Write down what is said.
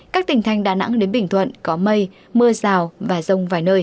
các tỉnh thành đà nẵng đến bình thuận có mây mưa rào và rông vài nơi